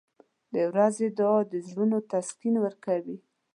• د ورځې دعا د زړونو تسکین ورکوي.